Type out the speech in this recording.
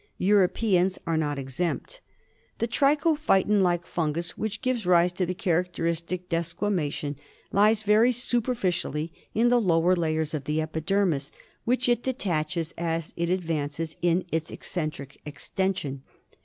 Europeans are not exempt. The trichophyton like fungus which gives rise to the characteristic desquamation lies very superficially in the lower layers of the epidermis, which it detaches as it advances in its eccentric extension.